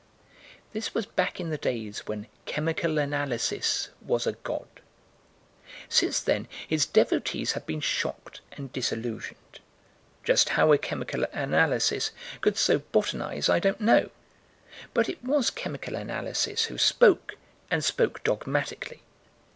This was back in the days when Chemical Analysis was a god. Since then his devotees have been shocked and disillusioned. Just how a chemical analysis could so botanize, I don't know but it was Chemical Analysis who spoke, and spoke dogmatically.